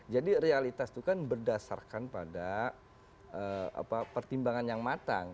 jadi realitas itu kan berdasarkan pada pertimbangan yang matang